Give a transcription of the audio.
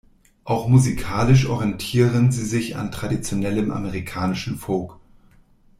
Auch musikalisch orientieren sie sich an traditionellem amerikanischen Folk.